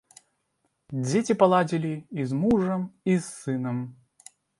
Дзеці паладзілі і з мужам, і з сынам.